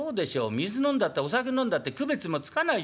水飲んだってお酒飲んだって区別もつかないじゃない。